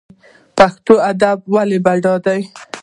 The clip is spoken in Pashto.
پښتو ادب ولې بډای دی؟